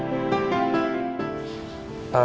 kamu udah pulang